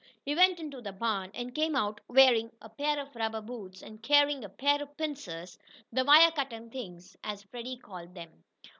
He went into the barn, and came out wearing a pair of rubber boots, and carrying a pair of pincers the "wire cutting things," as Freddie called them.